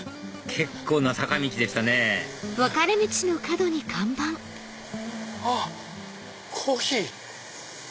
結構な坂道でしたねあっコーヒー！